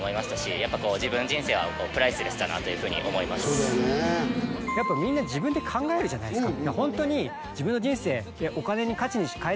このグッとフレーズやっぱみんな自分で考えるじゃないですか